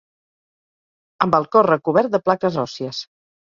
Amb el cos recobert de plaques òssies.